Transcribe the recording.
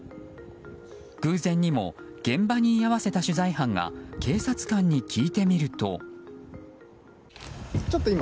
偶然にも現場に居合わせた取材班が警察官に聞いてみると。